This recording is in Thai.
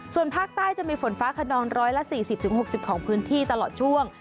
ส่วนภาคใต้จะมีฝนฟ้าขนอง๑๔๐๖๐ของพื้นที่ตลอดช่วง